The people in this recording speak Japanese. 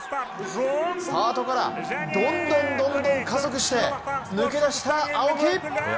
スタートからどんどんどんどん加速して抜け出した、青木！